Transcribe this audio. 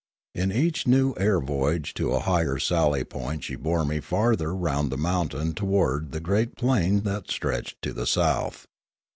In each new air voyage to a higher sally point she bore me farther round the mountain towards the great plain that stretched to the south.